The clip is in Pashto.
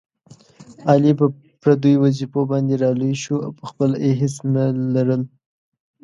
علي په پردیو وظېفو باندې را لوی شو، په خپله یې هېڅ نه لرل.